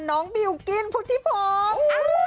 น้องบิวกินพุทธิพอง